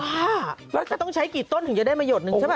ว้าวแล้วก็ต้องใช้กี่ต้นถึงจะได้มายดหนึ่งใช่ไหม